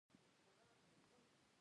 نښتر ونه په ژمي کې شنه وي؟